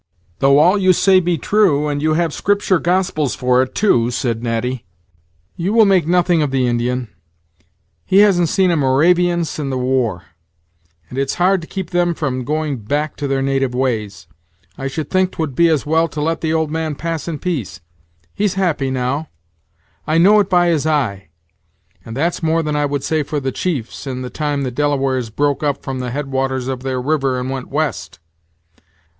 "Though all you say be true, and you have scriptur' gospels for it, too," said Natty, "you will make nothing of the Indian. He hasn't seen a Moravian priest sin' the war; and it's hard to keep them from going back to their native ways. I should think 'twould be as well to let the old man pass in peace. He's happy now; I know it by his eye; and that's more than I would say for the chief, sin' the time the Delawares broke up from the head waters of their river and went west.